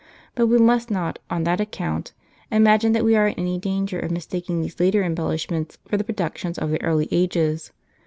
But we must not, on that account, imagine that we are in any danger of mistak ing these later embellishments for the productions of the early ages.